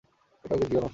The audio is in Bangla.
ওটা ওকে দিও না।